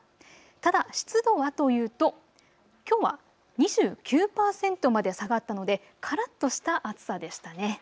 ただ湿度はというときょうは２９％まで下がったのでからっとした暑さでしたね。